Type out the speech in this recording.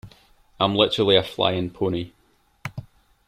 I'm literally a flying pony.